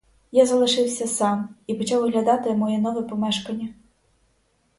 Я залишився сам і почав оглядати моє нове помешкання.